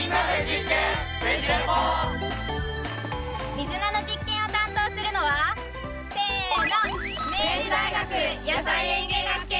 ミズナの実験を担当するのはせの！